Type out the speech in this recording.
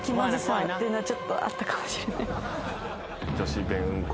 ちょっとあったかもしれない。